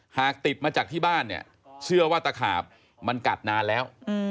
หากติดมาจากที่บ้านเนี่ยเชื่อว่าตะขาบมันกัดนานแล้ว